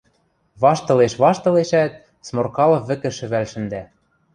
Ваштылеш, ваштылешӓт, Сморкалов вӹкӹ шӹвӓл шӹндӓ...